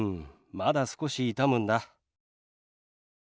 まだ少し痛むんだ。